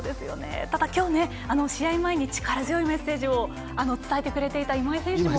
きょう試合前に力強いメッセージを伝えてくれていた今井選手も。